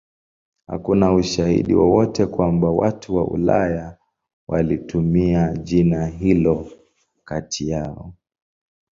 Hakuna ushahidi wowote kwamba watu wa Ulaya walitumia jina hili kati yao.